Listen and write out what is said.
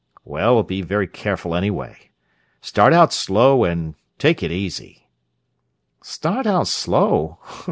"Well, be very careful, anyway. Start out slow and take it easy." "Start out slow?